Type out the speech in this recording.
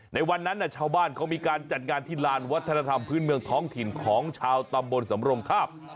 ในวันนั้นชาวบ้านเขามีการจัดงานที่ลานวัฒนธรรมพื้นเมืองท้องถิ่นของชาวตำบลสำรงทาบ